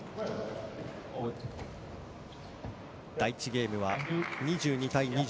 第１ゲームは２２対２０